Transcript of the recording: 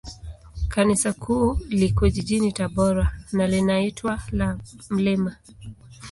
Kanisa Kuu liko jijini Tabora, na linaitwa la Mt.